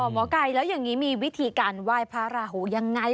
อ๋อหมอไก่แล้วอย่างนี้มีวิธีการว่ายพระหูอย่างไร